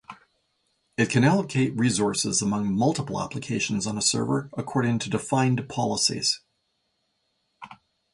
It can allocate resources among multiple applications on a server according to defined policies.